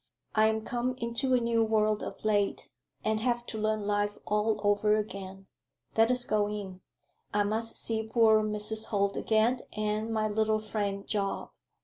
"I am come into a new world of late, and have to learn life all over again. Let us go in. I must see poor Mrs. Holt again, and my little friend Job."